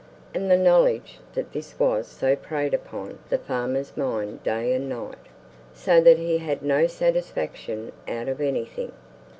And the knowledge that this was so preyed upon the farmer's mind day and night, so that he had no satisfaction out of anything.